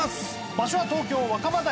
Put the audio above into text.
場所は東京若葉台。